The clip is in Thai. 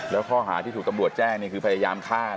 แล้วข้อหาที่ถูกตำรวจแจ้งนี่คือพยายามฆ่า